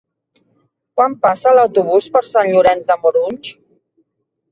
Quan passa l'autobús per Sant Llorenç de Morunys?